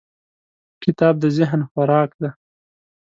کتاب د ذهن خوراک دی.